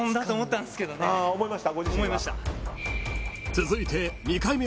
［続いて］